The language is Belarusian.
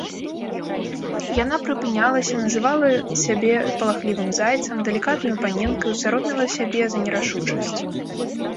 Яна прыпынялася, называла сябе палахлівым зайцам, далікатнаю паненкаю, сароміла сябе за нерашучасць.